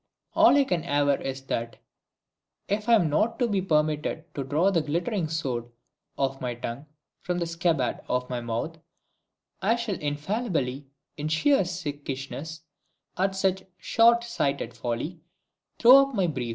All I can aver is that, if I am not to be permitted to draw the glittering sword of my tongue from the scabbard of my mouth, I shall infallibly, in sheer sickishness at such short sighted folly, throw up my brief!